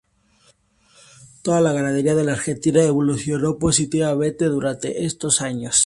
Toda la ganadería de la Argentina, evolucionó positivamente durante estos años.